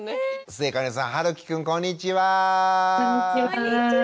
末金さんはるきくんこんにちは！こんにちは！